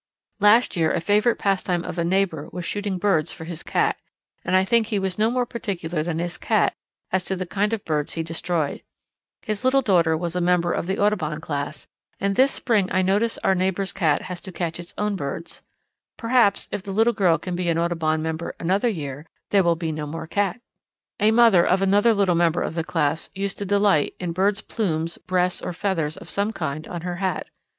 Last year a favourite pastime of a neighbour was shooting birds for his cat, and I think he was no more particular than his cat as to the kind of birds he destroyed. His little daughter was a member of the Audubon Class and this spring I notice our neighbour's cat has to catch its own birds. Perhaps, if the little girl can be an Audubon member another year, there will be no more cat! "A mother of another little member of the class used to delight in birds' plumes, breasts, or feathers of some kind on her hat.